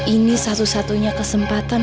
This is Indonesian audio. ini satu satunya kesempatan